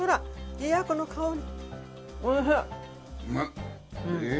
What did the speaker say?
いやこの香り。